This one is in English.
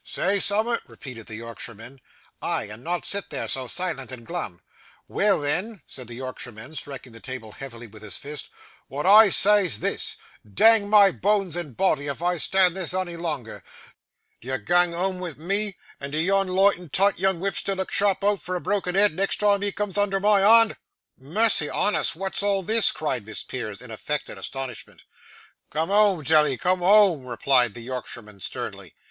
'Say summat?' repeated the Yorkshireman. 'Ay, and not sit there so silent and glum.' 'Weel, then!' said the Yorkshireman, striking the table heavily with his fist, 'what I say's this Dang my boans and boddy, if I stan' this ony longer. Do ye gang whoam wi' me, and do yon loight an' toight young whipster look sharp out for a brokken head, next time he cums under my hond.' 'Mercy on us, what's all this?' cried Miss Price, in affected astonishment. 'Cum whoam, tell 'e, cum whoam,' replied the Yorkshireman, sternly.